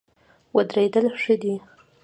ودرېدل ښه دی.